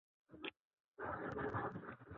কালই তো দেখলে ছাদে লাফালাফি করছিল।